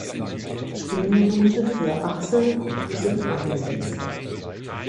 Spielminute für Axel Kruse eingewechselt.